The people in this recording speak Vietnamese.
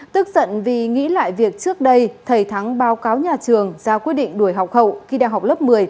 tức giận vì nghĩ lại việc trước đây thầy thắng báo cáo nhà trường ra quyết định đuổi học hậu khi đang học lớp một mươi